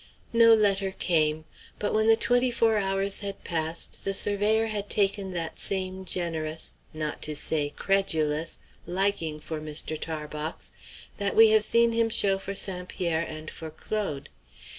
No letter came. But when the twenty four hours had passed, the surveyor had taken that same generous not to say credulous liking for Mr. Tarbox that we have seen him show for St. Pierre and for Claude.